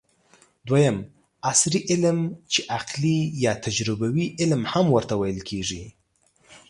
دویم : عصري علم چې عقلي یا تجربوي علم هم ورته ويل کېږي